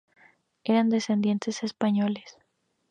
Era descendiente de españoles.